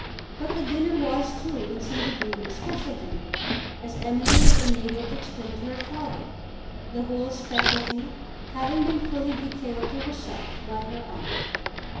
But the dinner was too, in some degree, a special dinner, as Emily was enabled to explain to her father, the whole speciality having been fully detailed to herself by her aunt.